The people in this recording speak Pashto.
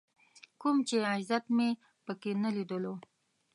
کوم چې عزت مې په کې نه ليدلو.